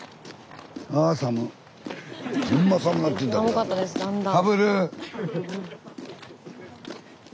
寒かったですだんだん。